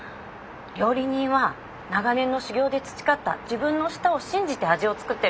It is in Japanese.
料理人は長年の修業で培った自分の舌を信じて味を作ってるんだからさ